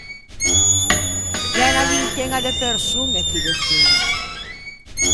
Gh’é unna vinteña de persoñe chì de feua.